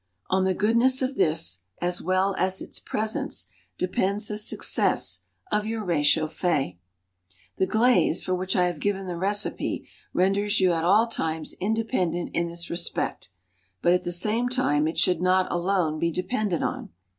On the goodness of this (as well as its presence) depends the success of your réchauffé. The glaze, for which I have given the recipe, renders you at all times independent in this respect, but at the same time it should not alone be depended on.